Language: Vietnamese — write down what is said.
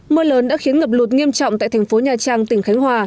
mưa lớn đã khiến ngập lụt nghiêm trọng tại thành phố nha trang tỉnh khánh hòa